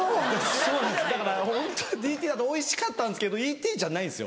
そうなんですだからホントＥ．Ｔ．だとおいしかったんですけどＥ．Ｔ．じゃないんですよ。